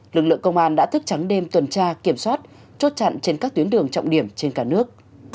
lực lượng công an đã thức trắng đêm tuần tra kiểm soát chốt chặn trên các tuyến đường trọng điểm trên cả nước